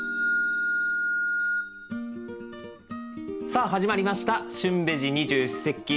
さあ始まりました「旬ベジ二十四節気」。